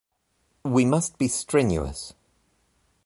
We must be strenuous.